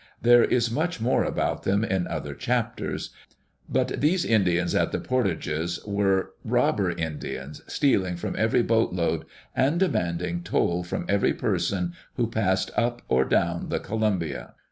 There is much more about them in other chapters. But these Indians at the portages were robber Indians, stealing from every boatload, and demanding toll from every person who passed up or down the Columbia.